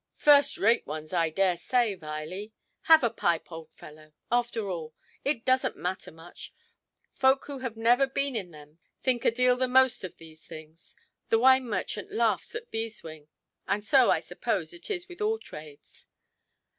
"First–rate ones, I dare say, Viley. Have a pipe, old fellow. After all, it doesnʼt matter much. Folk who have never been in them think a deal the most of these things. The wine–merchant laughs at beeswing; and so, I suppose, it is with all trades".